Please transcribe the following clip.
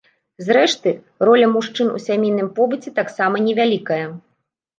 Зрэшты, роля мужчын у сямейным побыце таксама невялікая.